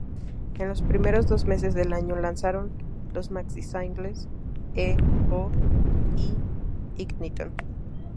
En los primeros dos meses del año lanzaron los maxi-singles "e↑o" y "Ignition".